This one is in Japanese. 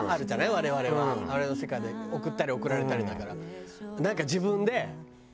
我々の世界では贈ったり贈られたりだから。